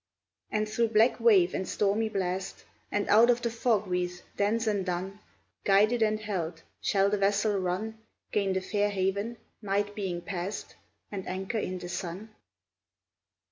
And through black wave and stormy blast, And out of the fog wreath dense and dun, Guided and held, shall the vessel run, Gain the fair haven, night being past, And anchor in the sun?